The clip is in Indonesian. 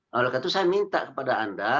oleh karena itu saya minta kepada anda